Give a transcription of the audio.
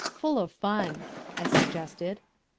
"Full of fun," I suggested.